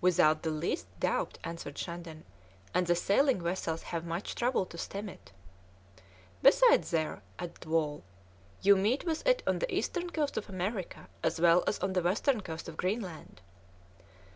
"Without the least doubt," answered Shandon, "and the sailing vessels have much trouble to stem it." "Besides there," added Wall, "you meet with it on the eastern coast of America, as well as on the western coast of Greenland."